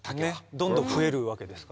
どんどん増えるわけですからね。